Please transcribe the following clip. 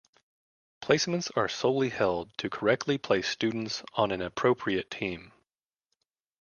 Placements are solely held to correctly place students on an appropriate team.